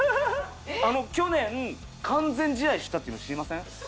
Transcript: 去年完全試合したっていうの知りません？